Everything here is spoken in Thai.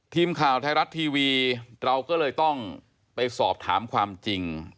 ทีมข่าวไทยรัฐทีวีเราก็เลยต้องไปสอบถามความจริง